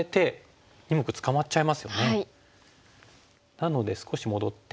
なので少し戻って。